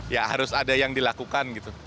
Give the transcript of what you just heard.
ya harus ada yang dilakukan gitu